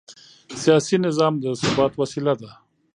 سیاسي نظام د ثبات وسیله ده